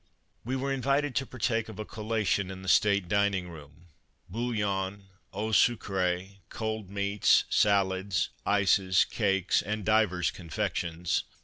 We were invited to partake of a collation in the state dining room — bouillon, eau sucree, cold meats, salads, ices, cakes and divers confections.